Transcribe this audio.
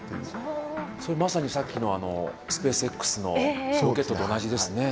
それまさにさっきのスペースＸのロケットと同じですね。